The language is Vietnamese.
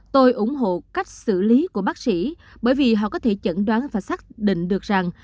tôi ủng hộ cách xử lý của bác sĩ bởi vì họ có thể chẩn đoán và xác định được rằng